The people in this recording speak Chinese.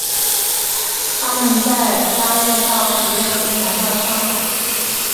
他们在八月到十月间来到上海。